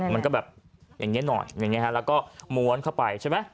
มันก็แบบอย่างนี้หน่อยอย่างนี้ฮะแล้วก็ม้วนเข้าไปใช่ไหม